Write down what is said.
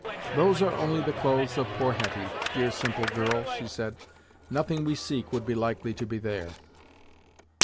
"Those are only the clothes of poor Hetty, dear simple girl!" she said, "Nothing we seek would be likely to be there."